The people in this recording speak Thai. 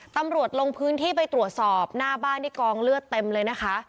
ตำรวจลงพื้นที่ไปตรวจสอบหน้าบ้านที่กองเลือดเต็มเลยนะคะ